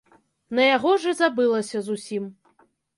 На яго ж і забылася зусім.